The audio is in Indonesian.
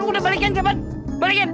lo udah balikin coba balikin